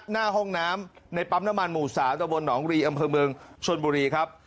หน้าห้องน้ำในปั๊มน้ำมันหมู่๓ตะบนหนองรีอำเภอเมืองชนบุรีครับ